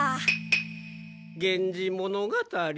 「源氏物語」？